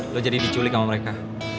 lo jadi diculik sama mereka